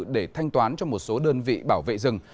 để thanh toán cho một số đơn vị bảo vệ rừng